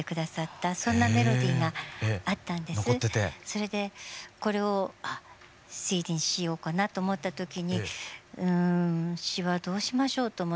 それでこれを「あＣＤにしようかな」と思った時に「うん詞はどうしましょう」と思って。